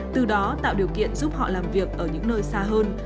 từ đó tạo điều kiện giúp họ làm việc ở những nơi xa hơn